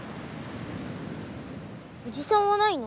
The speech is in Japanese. おじさんはないの？